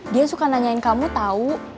dia suka nanyain kamu tahu